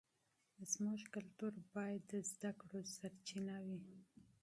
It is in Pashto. زموږ کلتور باید د علم سرچینه وي.